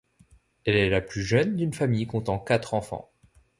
Elle est la plus jeune d'une famille comptant quatre enfants.